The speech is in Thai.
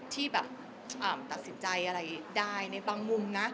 ที่แบบตัดสินใจอะไรได้ในบางมุมนะ